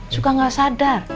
suka gak sadar